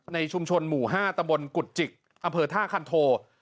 ในชุมชนหมู่๕ตะบนกุฎจิกอำเภอท่าคันโท